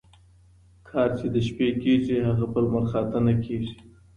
کار چي د شپې کيږي هغه په لمرخاته ،نه کيږي